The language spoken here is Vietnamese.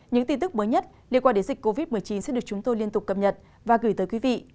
những tin tức mới nhất liên quan đến dịch covid một mươi chín sẽ được chúng tôi liên tục cập nhật và gửi tới quý vị